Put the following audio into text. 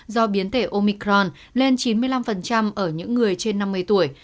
do biến thể omicron lên chín mươi năm ở những người trên năm mươi tuổi